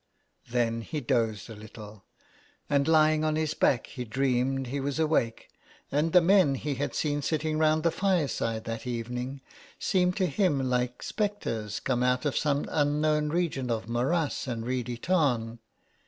Then he dozed a little ; and lying on his back he dreamed he was i6i L HOME SICKNESS. awake, and the men he had seen sitting round the fireside that evening seemed to him Hke spectres come out of some unknown region of morass and reedy tarn.